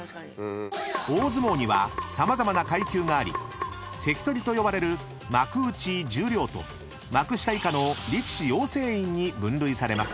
［大相撲には様々な階級があり関取と呼ばれる幕内十両と幕下以下の力士養成員に分類されます］